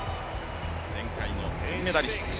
前回の銀メダリスト。